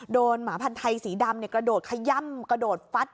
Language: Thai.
หมาพันธ์ไทยสีดำกระโดดขย่ำกระโดดฟัด